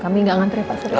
kami gak ngantri ya pak surya